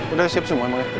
udah siap semua emangnya